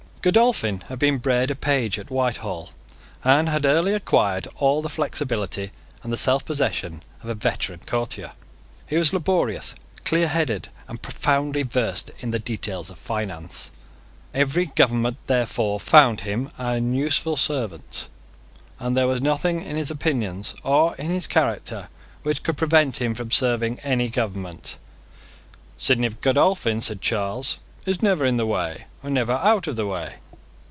Godolphin had been bred a page at Whitehall, and had early acquired all the flexibility and the selfpossession of a veteran courtier. He was laborious, clearheaded, and profoundly versed in the details of finance. Every government, therefore, found him an useful servant; and there was nothing in his opinions or in his character which could prevent him from serving any government. "Sidney Godolphin," said Charles, "is never in the way, and never out of the way."